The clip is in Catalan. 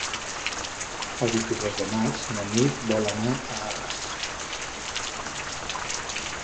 El vint-i-tres de maig na Nit vol anar a Arres.